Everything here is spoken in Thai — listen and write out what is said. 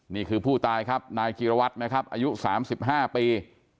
นี่คือผู้ตายครับนายจีรวัตรนะครับอายุ๓๕ปี